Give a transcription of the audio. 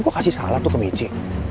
gue kasih salah tuh ke meja